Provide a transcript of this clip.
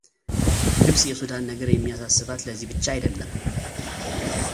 ግብጽ የሱዳን ነገር የሚያሳስባት ለዚህ ብቻ አይደለም።